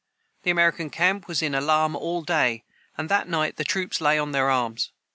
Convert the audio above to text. The American camp was in alarm all the day, and that night the troops lay on their arms.